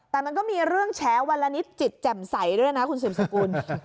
แต่มันก็มีเรื่องแฉวันละนิดจิตแจ่มใสด้วยนะคุณสืบสกุล